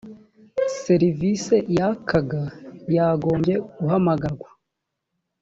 serivise y akaga yagombye guhamagarwa